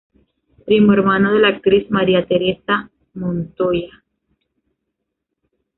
Primo hermano de la actriz María Tereza Montoya.